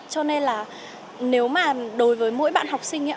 cho nên là nếu mà đối với mỗi bạn học sinh